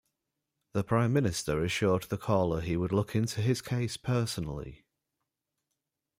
The Prime Minister assured the caller he would look into his case personally.